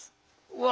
うわ。